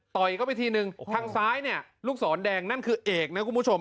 เข้าไปทีนึงทางซ้ายเนี่ยลูกศรแดงนั่นคือเอกนะคุณผู้ชม